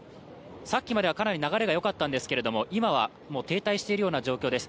さっきまではかなり流れがよかったんですけども、今は停滞しているような状況です。